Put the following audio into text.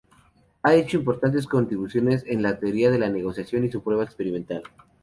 Ha hecho importantes contribuciones en la teoría de la negociación y su prueba experimental.